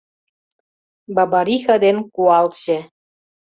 Бабариха ден куалче